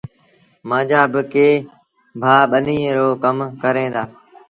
مآݩجآ بآڪيٚݩ ڀآ ٻنيٚ رو ڪم ڪريݩ دآ۔